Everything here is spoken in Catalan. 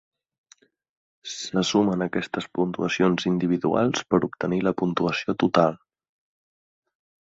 Se sumen aquestes puntuacions individuals per obtenir la puntuació total.